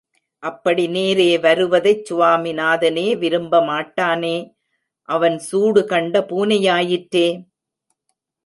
அப்படி நேரே வருவதைச் சுவாமிநாதனே விரும்ப மாட்டானே, அவன் சூடு கண்ட பூனையாயிற்றே.